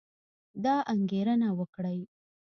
دا انګېرنه وکړئ